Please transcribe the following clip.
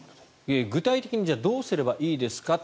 具体的にどうすればいいですか。